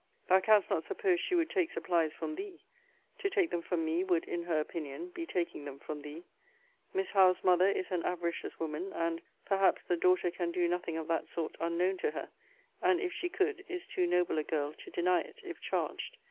Thou canst not suppose she would take supplies from thee: to take them from me would, in her opinion, be taking them from thee. Miss Howe's mother is an avaricious woman; and, perhaps, the daughter can do nothing of that sort unknown to her; and, if she could, is too noble a girl to deny it, if charged.